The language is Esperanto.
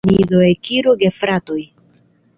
Ni do ekiru, gefratoj!